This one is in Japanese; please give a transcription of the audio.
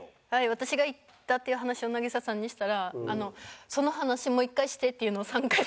私が行ったっていう話を渚さんにしたらその話もう一回してっていうのを３回されて。